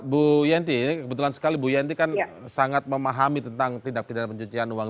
bu yenti kebetulan sekali bu yanti kan sangat memahami tentang tindak pidana pencucian uang